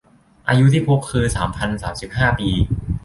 อายุที่พบคือ สามพันสามสิบห้า ปี